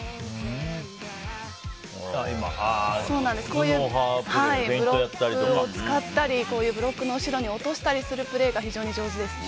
こういうブロックを使ったりブロックの後ろに落としたりするプレーが非常に上手ですね。